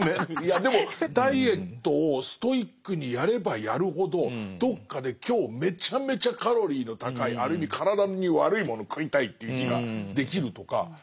いやでもダイエットをストイックにやればやるほどどっかで今日めちゃめちゃカロリーの高いある意味体に悪いもの食いたいっていう日ができるとか。